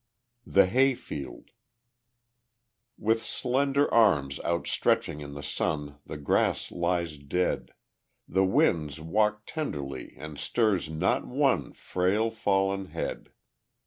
The Hay Field With slender arms outstretching in the sun The grass lies dead; The wind walks tenderly, and stirs not one Frail, fallen head.